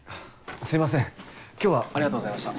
すいません今日はありがとうございました。